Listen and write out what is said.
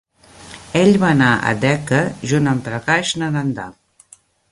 Ell va anar a dhaka junt amb Prakashananda.